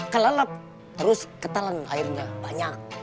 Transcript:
kelalap terus ketalan airnya banyak